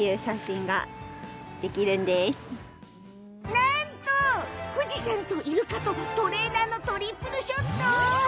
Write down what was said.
なんと、富士山とイルカとトレーナーのトリプルショット。